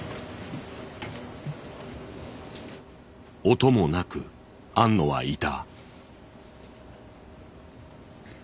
音もなく庵野はいた。